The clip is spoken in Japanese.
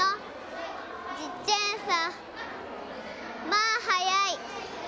「まあはやい」。